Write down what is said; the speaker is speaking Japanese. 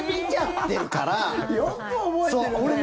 よく覚えてるね！